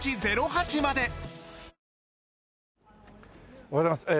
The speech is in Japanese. おはようございます。